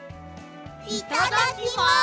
いただきます！